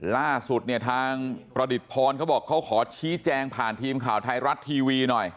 ล่าสุดเนี่ยทางประดิษฐพรเขาบอกเขาขอชี้แจงผ่านทีมข่าวไทยรัฐทีวีหน่อย